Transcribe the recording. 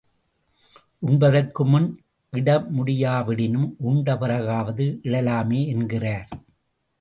உண்பதற்கு முன் இடமுடியாவிடினும், உண்ட பிறகாவது இடலாமே என்கிறார்.